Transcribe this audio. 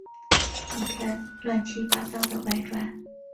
一篇乱七八糟的外传